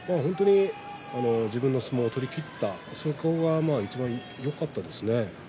自分の相撲を取りきったそれがいちばんよかったと思います。。